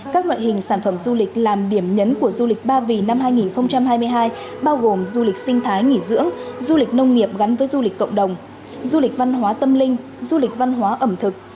các loại hình sản phẩm du lịch làm điểm nhấn của du lịch ba vì năm hai nghìn hai mươi hai bao gồm du lịch sinh thái nghỉ dưỡng du lịch nông nghiệp gắn với du lịch cộng đồng du lịch văn hóa tâm linh du lịch văn hóa ẩm thực